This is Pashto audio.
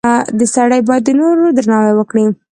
• سړی باید د نورو درناوی وکړي.